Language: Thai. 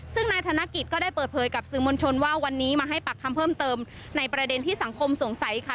ซึ่งนายธนกิจก็ได้เปิดเผยกับสื่อมวลชนว่าวันนี้มาให้ปากคำเพิ่มเติมในประเด็นที่สังคมสงสัยค่ะ